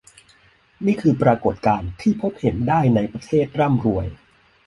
นี่คือปรากฏการณ์ที่พบเห็นได้ในประเทศร่ำรวย